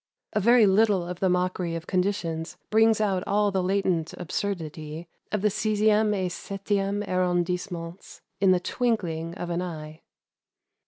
A very little of the mockery of conditions brings out all the latent absurdity of the "sixieme et septieme arron dissements," in the twinkling of an eye.